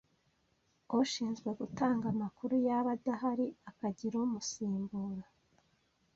ushinzwe gutanga amakuru, yaba adahari akagira umusimbura